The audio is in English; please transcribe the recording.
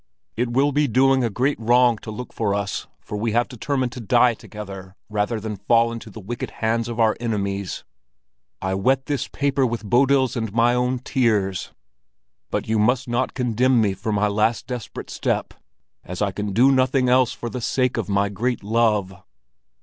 It will be doing a great wrong to look for us, for we have determined to die together rather than fall into the wicked hands of our enemies. I wet this paper with Bodil's and my own tears. But you must not condemn me for my last desperate step, as I can do nothing else for the sake of my great love.